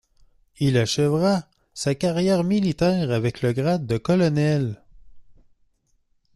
Il achèvera sa carrière militaire avec le grade de colonel.